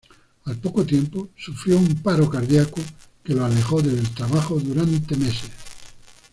Al poco tiempo sufrió un paro cardíaco que lo alejó del trabajo durante meses.